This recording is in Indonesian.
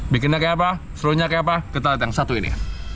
bikinnya kayak apa serunya kayak apa kita lihat yang satu ini